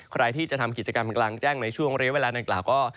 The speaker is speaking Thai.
ใครที่จะทำกิจกรรมกลางแจ้งในช่วงเรียกเวลานางกล่าวก็